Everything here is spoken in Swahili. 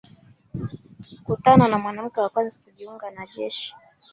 Kutana na mwanamke wa kwanza kujiunga na Jeshi.